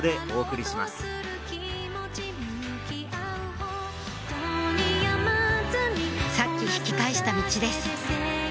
はじめてさっき引き返した道です